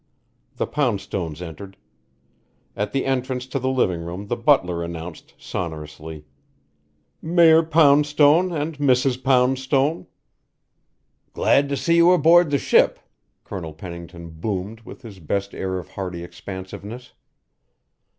The Poundstones entered. At the entrance to the living room the butler announced sonorously: "Mayor Poundstone and Mrs. Poundstone." "Glad to see you aboard the ship," Colonel Pennington boomed with his best air of hearty expansiveness.